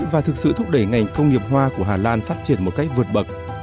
và thực sự thúc đẩy ngành công nghiệp hoa của hà lan phát triển một cách vượt bậc